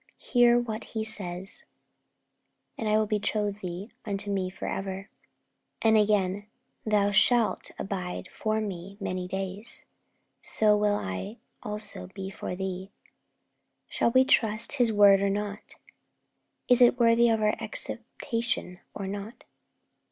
Hear what He says: 'And I will betroth thee unto Me for ever' And again: 'Thou shalt abide for Me many days; so will I also be for thee.' Shall we trust His word or not? Is it worthy of our acceptation or not?